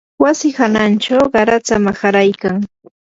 wasi hanachaw qaratsa maharaykan